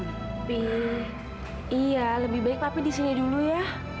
tapi iya lebih baik tapi di sini dulu ya